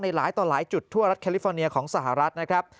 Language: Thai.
หลายต่อหลายจุดทั่วรัฐแคลิฟอร์เนียของสหรัฐนะครับ